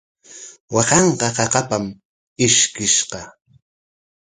Waakanqa qaqapam ishkiskishqa.